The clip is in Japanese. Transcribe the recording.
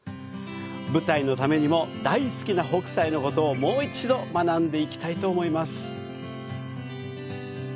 舞台のためにも大好きな北斎のことをもう一度、学んでいきたいと思います。